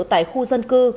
tại khu dân cư